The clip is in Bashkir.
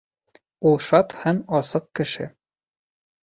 Ул шат һәм асыҡ кеше.